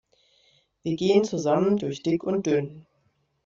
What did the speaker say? Wir gehen zusammen durch dick und dünn.